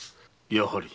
やはり。